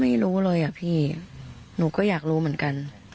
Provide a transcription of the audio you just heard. ไม่รู้เลยอ่ะพี่หนูก็อยากรู้เหมือนกัน